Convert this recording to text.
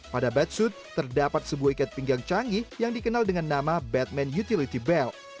pada batsuit terdapat sebuah ikat pinggang canggih yang dikenal dengan nama batman utility belt